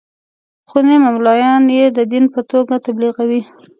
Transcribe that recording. خو نیمچه ملایان یې د دین په توګه تبلیغوي.